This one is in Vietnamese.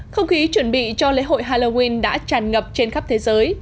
không khí chuẩn bị cho lễ hội halloween đã tràn ngập trên khắp thế giới